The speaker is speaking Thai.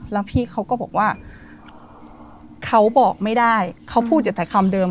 แล้วพี่เขาก็บอกว่าเขาบอกไม่ได้เขาพูดอยู่แต่คำเดิม